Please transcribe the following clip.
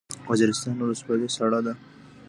اجرستان ولسوالۍ سړه ده؟